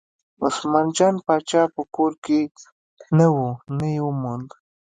عثمان جان پاچا په کور کې نه و نه یې وموند.